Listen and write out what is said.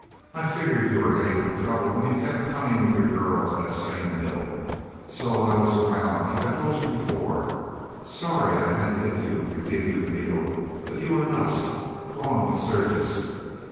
I figured you were heading for trouble when you kept coming with your girl to that same hill. So I was around, like I told you before... Sorry I had to hit you and give you the needle, but you were nuts gone with Syrtis.